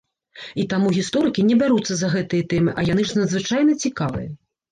І таму гісторыкі не бяруцца за гэтыя тэмы, а яны ж надзвычайна цікавыя!